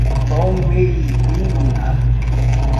Palmeirina